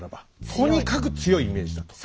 とにかく強いイメージだと戦にね。